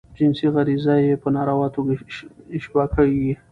جنسی غریزه ئې په ناروا توګه اشباه کیږي.